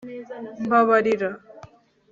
mbabarira